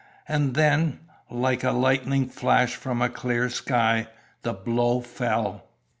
And then, like a lightning flash from a clear sky, the blow fell.